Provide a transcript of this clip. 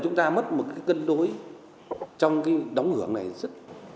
chúng ta mất một cái cân đối trong cái đóng hưởng này rất